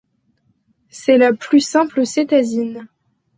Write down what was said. C'est la plus simple cétazine.